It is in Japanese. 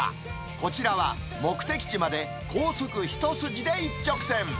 こちらは目的地まで高速一筋で一直線。